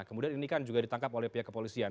kemudian ini kan juga ditangkap oleh pihak kepolisian